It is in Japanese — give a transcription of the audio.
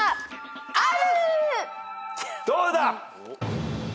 どうだ？